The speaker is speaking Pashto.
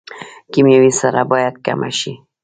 کیمیاوي سره باید کمه شي